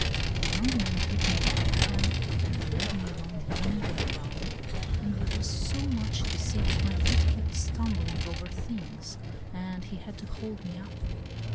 The young man took me by the hand and led me along the uneven ground, and there was so much to see that my feet kept stumbling over things, and he had to hold me up.